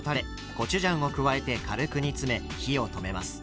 コチュジャンを加えて軽く煮詰め火を止めます。